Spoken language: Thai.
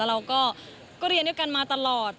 เราก็เรียนด้วยกันมาตลอด